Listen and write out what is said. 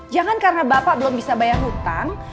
jangan karena bapak belum bisa bayar hutang